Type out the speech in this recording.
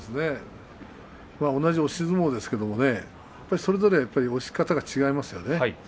同じ押し相撲ですがそれぞれ押し方が違いますね。